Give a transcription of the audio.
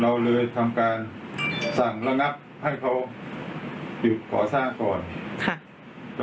เราเลยทำการสั่งระงับให้เขาหยุดก่อสร้างก่อนค่ะ